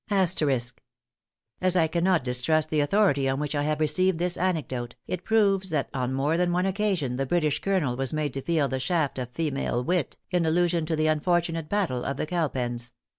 * *As I cannot distrust the authority on which I have received this anecdote, it proves that on more than one occasion the British colonel was made to feel the shaft of female wit, in allusion to the unfortunate battle of the Cowpens.